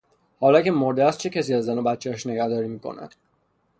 حالا که مرده است چه کسی از زن و بچهاش نگهداری میکند؟